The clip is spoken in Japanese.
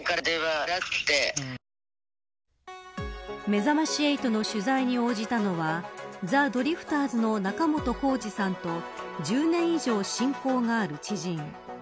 めざまし８の取材に応じたのはザ・ドリフターズの仲本工事さんと１０年以上親交がある知人。